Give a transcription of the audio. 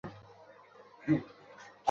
কিন্তু যদি সে মারা যায়?